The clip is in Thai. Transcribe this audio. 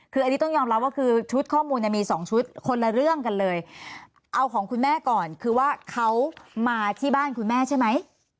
คืออันนี้ต้องยอมรับว่าคือชุดข้อมูลเนี่ยมีสองชุดคนละเรื่องกันเลยเอาของคุณแม่ก่อนคือว่าเขามาที่บ้านคุณแม่ใช่ไหม